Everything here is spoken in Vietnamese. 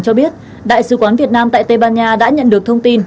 cho biết đại sứ quán việt nam tại tây ban nha đã nhận được thông tin